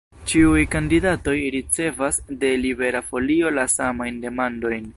Ĉiuj kandidatoj ricevas de Libera Folio la samajn demandojn.